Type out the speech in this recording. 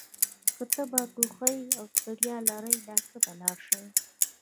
که تبه، ټوخۍ او ستړیا لرئ ډاکټر ته لاړ شئ!